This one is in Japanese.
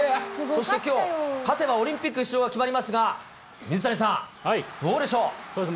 そしてきょう、勝てばオリンピック出場が決まりますが、そうですね。